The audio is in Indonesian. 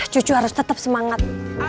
cucu harus tetap semangat